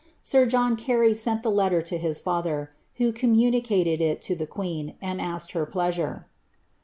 Sir John Carey sent he letter to his father, who communicated it to the queen, and asked ler pleasure.